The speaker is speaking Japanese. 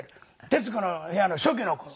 『徹子の部屋』の初期の頃。